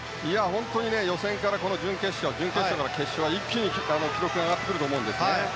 本当に予選から準決勝準決勝から決勝は一気に記録が上がってくると思うんですね。